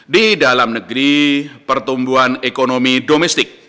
di dalam negeri pertumbuhan ekonomi domestik